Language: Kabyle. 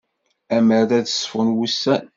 Amer ad ṣfun wussan.